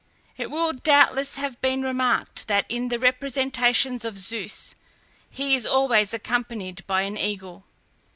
It will doubtless have been remarked that in the representations of Zeus he is always accompanied by an eagle.